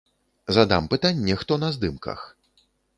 Задам пытанне, хто на здымках.